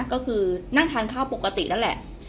ก็คือนั่งทานข้าวปกตินั่นแหละ